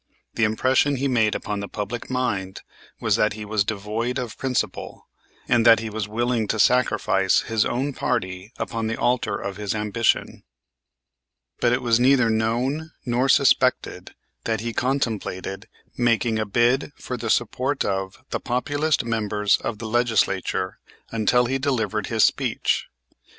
The impression he made upon the public mind was that he was devoid of principle, and that he was willing to sacrifice his own party upon the altar of his ambition. But it was neither known nor suspected that he contemplated making a bid for the support of the Populist members of the Legislature until he delivered his speech.